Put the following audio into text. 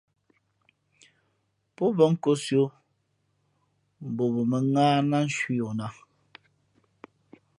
Pō bα̌ nkōsī o mbα wo mᾱŋáh lah cwī yo nāt.